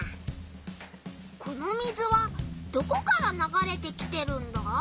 この水はどこからながれてきてるんだ？